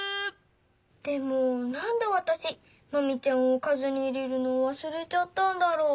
でもなんでわたしマミちゃんをかずに入れるのをわすれちゃったんだろう？